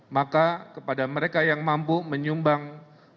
maka kepada mereka yang mampu menyumbang makanan atau nasinya atau apa